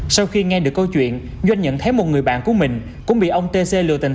sau khi nghe được câu chuyện doanh nhận thấy một người bạn của mình cũng bị ông t c lừa tình